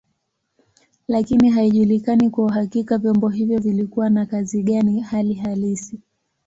Lakini haijulikani kwa uhakika vyombo hivyo vilikuwa na kazi gani hali halisi.